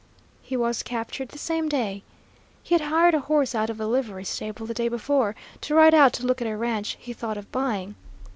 "He was captured the same day. He had hired a horse out of a livery stable the day before, to ride out to look at a ranch he thought of buying.